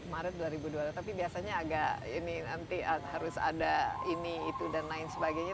maret dua ribu dua puluh tapi biasanya agak ini nanti harus ada ini itu dan lain sebagainya